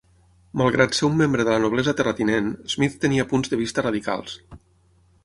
Malgrat ser un membre de la noblesa terratinent, Smith tenia punts de vista radicals.